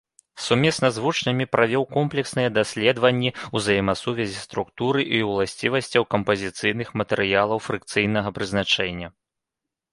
Сумесна з вучнямі правёў комплексныя даследаванні ўзаемасувязі структуры і уласцівасцяў кампазіцыйных матэрыялаў фрыкцыйнага прызначэння.